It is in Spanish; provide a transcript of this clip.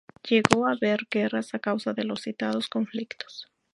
Llegó a haber guerras a causa de los citados conflictos.